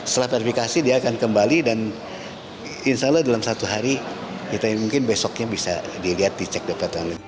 setelah verifikasi dia akan kembali dan insya allah dalam satu hari kita mungkin besoknya bisa dilihat dicek departannya